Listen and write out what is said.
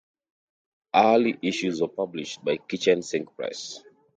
Early issues were published by Kitchen Sink Press.